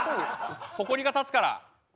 ほこりが立つから。